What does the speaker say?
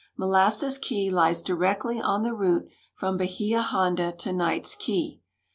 INIolasses Key lies directly on the route from Bahia Honda to Knights Key.